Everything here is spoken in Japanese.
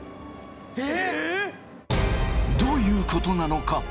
どういうことなのか。